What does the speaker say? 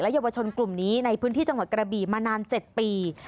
เยาวชนกลุ่มนี้ในพื้นที่จังหวัดกระบี่มานาน๗ปี